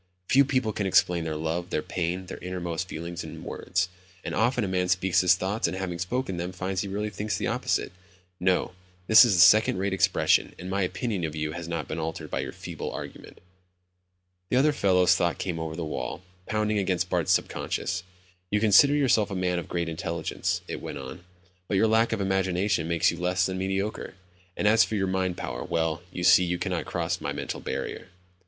Few people can explain their love, their pain, their innermost feelings in words. And often a man speaks his thoughts, and having spoken them, finds he really thinks the opposite. No, this is second rate expression and my opinion of you has not been altered by your feeble argument." The other fellow's thoughts came over the wall, pounding against Bart's sub conscious. "You consider yourself a man of great intelligence," it went on, "but your lack of imagination makes you less than mediocre. And as for your mind power, well, you see you cannot cross my mental barrier."